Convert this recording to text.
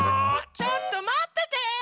ちょっとまってて！